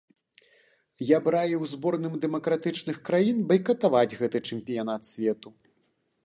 Я б раіў зборным дэмакратычных краін байкатаваць гэты чэмпіянат свету.